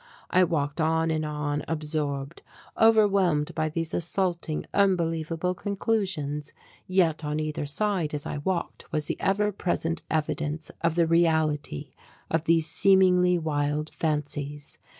I walked on and on, absorbed, overwhelmed by these assaulting, unbelievable conclusions, yet on either side as I walked was the ever present evidence of the reality of these seemingly wild fancies.